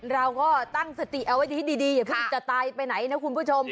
เราก็ตั้งสติเอาไว้ให้ดีอย่าเพิ่งจะตายไปไหนนะคุณผู้ชม